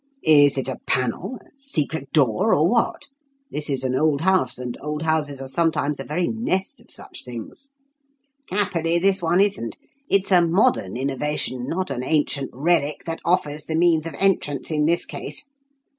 "Is it a panel? a secret door? or what? This is an old house, and old houses are sometimes a very nest of such things." "Happily, this one isn't. It's a modern innovation, not an ancient relic, that offers the means of entrance in this case.